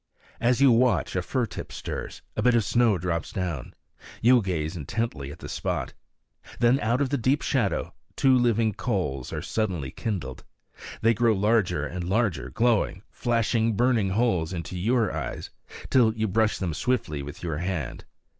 As you watch, a fir tip stirs; a bit of snow drops down. You gaze intently at the spot. Then out of the deep shadow two living coals are suddenly kindled. They grow larger and larger, glowing, flashing, burning holes into your eyes till you brush them swiftly with your hand.